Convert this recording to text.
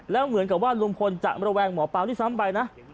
แล้วเหมือนกับว่าลุงพลจะระแวงหมอปลาด้วยซ้ำไปนะ